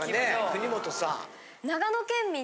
国本さん。